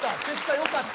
よかった。